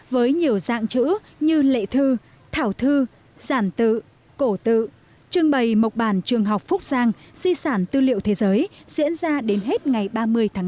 với nhiều dạng chữ như lệ thư thảo thư sản tự cổ tự trưng bày mộc bản trường học phúc giang di sản tư liệu thế giới diễn ra đến hết ngày ba mươi tháng năm